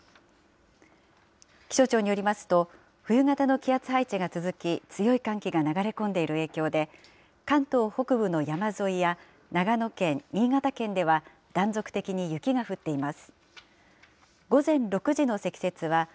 気象庁によりますと、冬型の気圧配置が続き強い寒気が流れ込んでいる影響で、関東北部の山沿いや長野県、新潟県では断続的に雪が降っています。